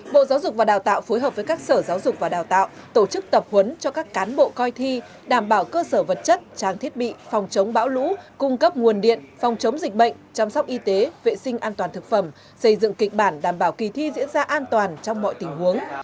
bộ giáo dục và đào tạo phối hợp với các sở giáo dục và đào tạo tổ chức tập huấn cho các cán bộ coi thi đảm bảo cơ sở vật chất trang thiết bị phòng chống bão lũ cung cấp nguồn điện phòng chống dịch bệnh chăm sóc y tế vệ sinh an toàn thực phẩm xây dựng kịch bản đảm bảo kỳ thi diễn ra an toàn trong mọi tình huống